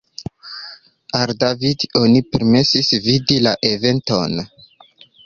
Al David oni permesis vidi la eventon.